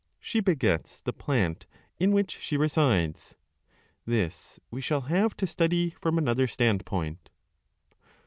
She begets the plant in which she resides. This we shall have to study from another standpoint.